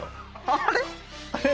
あれ？